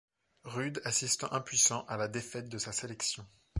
Ruud assistant impuissant à la défaite de sa sélection.